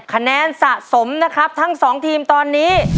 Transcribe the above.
คะแนนสะสมนะครับทั้งสองทีมตอนนี้